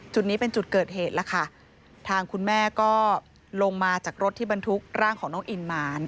จุดนี้เป็นจุดเกิดเหตุแล้วค่ะทางคุณแม่ก็ลงมาจากรถที่บรรทุกร่างของน้องอินมา